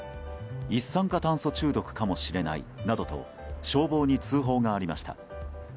一酸化炭素中毒かもしれないなどと消防に通報がありました。